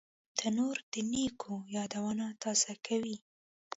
تنور د نیکو یادونه تازه کوي